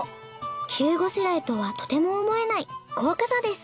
急ごしらえとはとても思えない豪華さです。